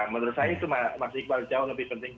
menurut saya itu masih jauh lebih penting